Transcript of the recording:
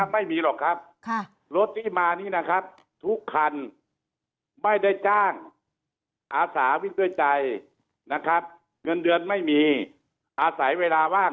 ไม่มีหรอกครับรถที่มานี้นะครับทุกคันไม่ได้จ้างอาสาวิกด้วยใจนะครับเงินเดือนไม่มีอาศัยเวลาว่าง